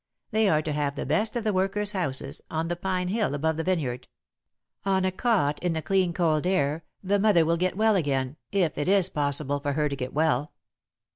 They are to have the best of the workers' houses, on the pine hill above the vineyard. On a cot, in the clean cold air, the mother will get well again if it is possible for her to get well.